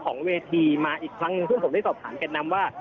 ของเวทีมาอีกครั้งหนึ่งซึ่งผมได้สอบถามแก่นำว่า